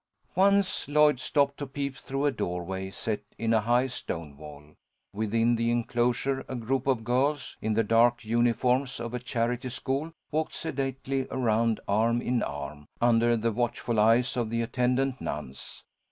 Once Lloyd stopped to peep through a doorway set in a high stone wall. Within the enclosure a group of girls, in the dark uniforms of a charity school, walked sedately around, arm in arm, under the watchful eyes of the attendant nuns.